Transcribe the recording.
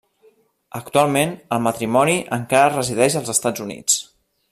Actualment, el matrimoni encara resideix als Estats Units.